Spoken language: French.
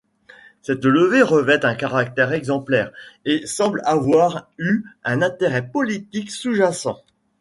Cette levée revêt un caractère exemplaire et semble avoir eu un intérêt politique sous-jacent.